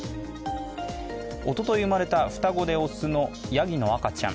おととい生まれた双子で雄のやぎのあかちゃん。